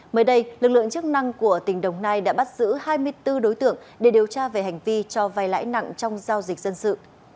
mới đây lực lượng chức năng của tỉnh đồng nai đã bắt giữ hai mươi bốn đối tượng để điều tra về hành vi cho vai lãi nặng trong giao dịch dân sự